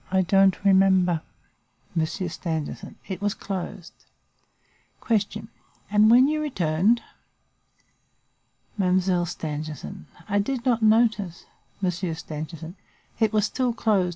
I don't remember. "Monsieur Stangerson. It was closed. "Q. And when you returned? "Mademoiselle Stangerson. I did not notice. "M. Stangerson. It was still closed.